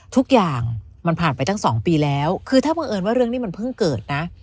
ทุกอย่างมันผ่านไปตั้ง๒ปีแล้วคือถ้าบังเอิญว่าเรื่องนี้มันเพิ่งเกิดนะ